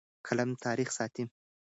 قلم تاریخ ساتي.